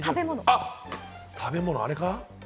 あ、食べ物あれか？